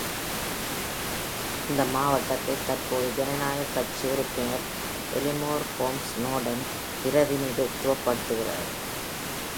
இந்த மாவட்டத்தை தற்போது ஜனநாயகக் கட்சி உறுப்பினர் எலினோர் ஹோம்ஸ் நார்டன் பிரதிநிதித்துவப்படுத்துகிறார்.